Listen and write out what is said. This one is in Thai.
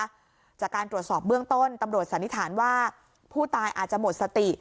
จากการตรวจสอบเบื้องต้นตำรวจสันนิษฐานว่าผู้ตายอาจจะหมดสติ